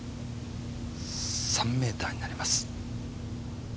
３ｍになります。